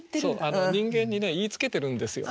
そう人間に言いつけてるんですよ。